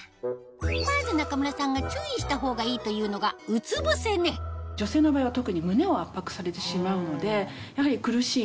まず中村さんが注意したほうがいいというのがうつ伏せ寝女性の場合は特に胸を圧迫されてしまうので。